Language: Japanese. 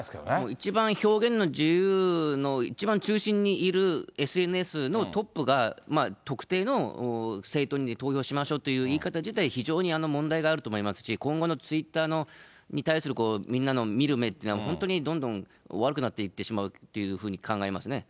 一番表現の自由の一番中心にいる、ＳＮＳのトップが、特定の政党に投票しましょうという言い方自体、非常に問題があると思いますし、今後のツイッターに対するみんなの見る目っていうのは、本当にどんどん悪くなっていってしまうというふうに考えますね。